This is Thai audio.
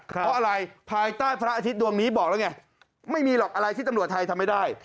เพราะอะไรภายใต้พระอาทิตย์ดวงนี้บอกแล้วไงไม่มีหรอกอะไรที่ตำรวจไทยทำไม่ได้